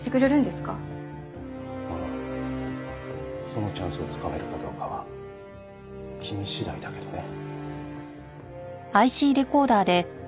そのチャンスをつかめるかどうかは君次第だけどね。